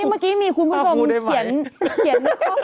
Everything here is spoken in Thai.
นี่เมื่อกี้มีคุณผู้ชมเขียนเข้า